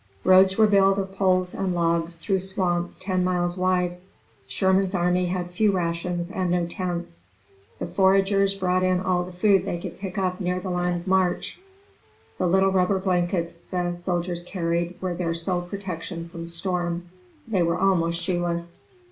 Roads were built of poles and logs through swamps ten miles wide. Sherman's army had few rations and no tents. The foragers brought in all the food they could pick up near the line of march. The little rubber blankets the soldiers carried were their sole protection from storm. They were almost shoeless.